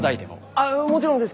ああもちろんですき！